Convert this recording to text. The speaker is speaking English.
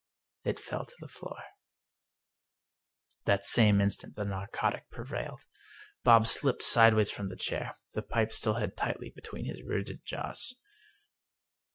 It fell to the floor, 240 The Pipe That same instant the narcotic prevailed. Bob slipped side ways from the chair, the pipe still held tightly between his rigid jaws.